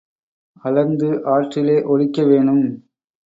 அளந்து ஆற்றிலே ஒழிக்க வேணும்.